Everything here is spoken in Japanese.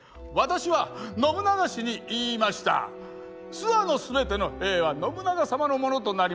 「諏訪のすべての兵は信長様のものとなりました。